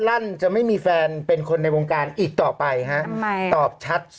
ลั่นจะไม่มีแฟนเป็นคนในวงการอีกต่อไปฮะ